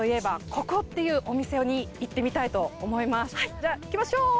じゃあ行きましょう！